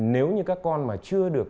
nếu như các con mà chưa được